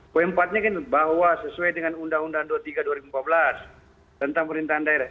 poin empat nya kan bahwa sesuai dengan undang undang dua puluh tiga dua ribu empat belas tentang pemerintahan daerah